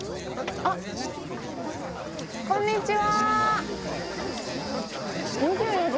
あっ、こんにちは。